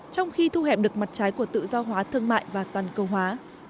trong khi thu hẹp được mặt trái của tự do hóa thương mại và toàn cầu hóa